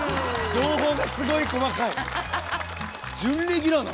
情報がすごい細かい！